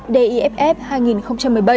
lễ hội pháp hoa đà nẵng hai nghìn một mươi bảy